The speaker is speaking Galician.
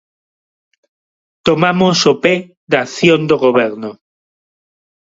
Tomamos o pé da acción do Goberno.